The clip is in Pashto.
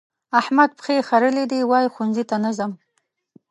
احمد پښې خرلې دي؛ وايي ښوونځي ته نه ځم.